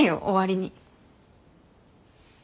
終わりに。